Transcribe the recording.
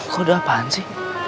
kode apaan sih